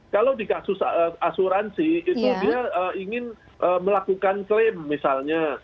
kalau di kasus asuransi itu dia ingin melakukan klaim misalnya